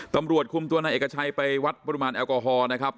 ตำรวจคุมตัวนายเอกชัยไปวัดปริมาณแอลกอฮอล์นะครับ